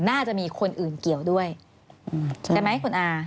น่าจะมีคนอื่นเกี่ยวด้วยใช่ไหมคุณอา